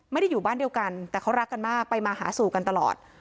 ไม่ได้อยู่บ้านเดียวกันแต่เขารักกันมากไปมาหาสู่กันตลอด